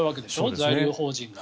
在留邦人が。